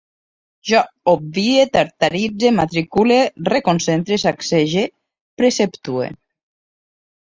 Jo obvie, tartaritze, matricule, reconcentre, sacsege, preceptue